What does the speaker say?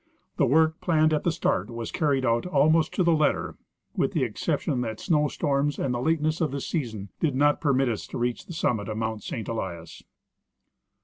The work planned at the start was carried out almost to the letter, with the exception that snow storms and the lateness of the season did not permit us to reach the summit of Mount St. Elias.